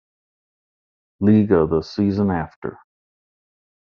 Liga the season after.